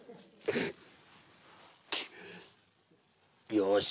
よし。